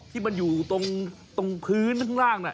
ที่มันอยู่ตรงพื้นข้างล่าง